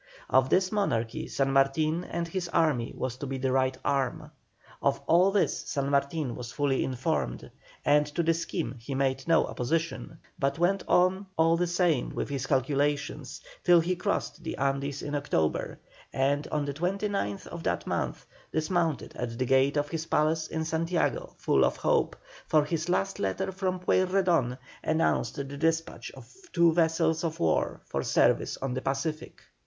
Of this monarchy San Martin and his army was to be the right arm. Of all this San Martin was fully informed, and to the scheme he made no opposition, but went on all the same with his calculations, till he crossed the Andes in October, and on the 29th of that month dismounted at the gate of his palace in Santiago full of hope, for his last letter from Pueyrredon announced the despatch of two vessels of war for service on the Pacific.